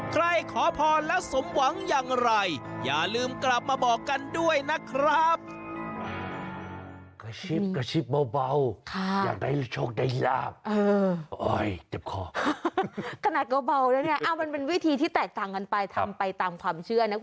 ขอพรแล้วสมหวังอย่างไรอย่าลืมกลับมาบอกกันด้วยนะครับ